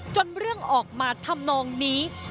เรื่องออกมาทำนองนี้